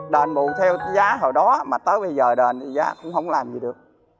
đền bù theo giá hồi đó mà tới bây giờ đền thì giá cũng không làm gì được